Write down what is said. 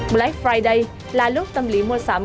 black friday là lúc tâm lý mua sắm